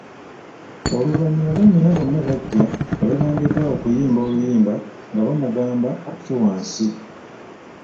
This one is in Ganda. Oluvanyuma bannyina bonna bajja ne batandika okuyimba oluyimba nga bamugamba akke wansi.